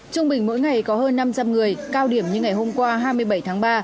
trung bình mỗi ngày có hơn năm trăm linh người cao điểm như ngày hôm qua hai mươi bảy tháng ba